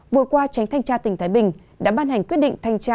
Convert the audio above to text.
vừa qua tránh thanh cha tỉnh thái bình đã ban hành quyết định thanh cha